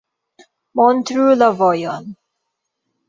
Montru la vojon.